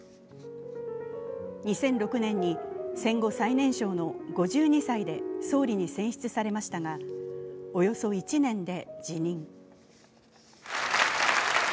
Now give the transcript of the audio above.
２００６年に戦後最年少の５２歳で総理に選出されましたがおよそ１年で辞任。